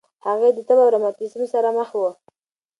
هغې د تبه او روماتیسم سره مخ وه.